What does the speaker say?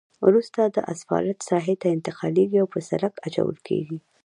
وروسته دا اسفالټ ساحې ته انتقالیږي او په سرک اچول کیږي